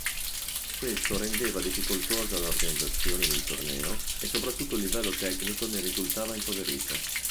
Questo rendeva difficoltosa l'organizzazione del torneo e soprattutto il livello tecnico ne risultava impoverito.